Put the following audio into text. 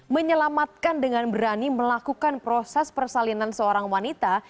menyelamatkan dengan berani melakukan proses persalinan seorang wanita